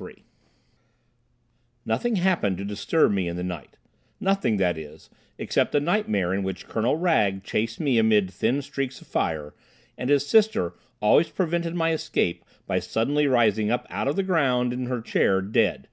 II Nothing happened to disturb me in the night—nothing, that is, except a nightmare in which Colonel Wragge chased me amid thin streaks of fire, and his sister always prevented my escape by suddenly rising up out of the ground in her chair—dead.